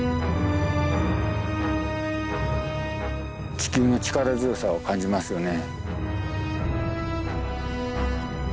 地球の力強さを感じますよね。